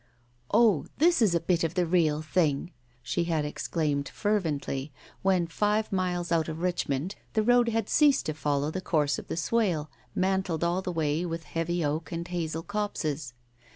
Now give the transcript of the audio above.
" Oh, this is a bit of the real thing !" she had exclaimed fervently, when, five miles out of Richmond, the road had ceased to follow the course of the Swale, mantled all the way with heavy oak and hazel copses.